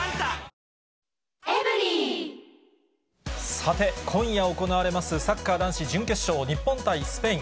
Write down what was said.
さて、今夜行われます、サッカー男子準決勝、日本対スペイン。